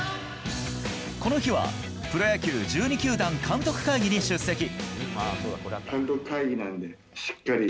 この日は、プロ野球１２球団監督会議に出席。